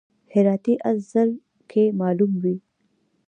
هراتی اس ځل کې معلوم وي.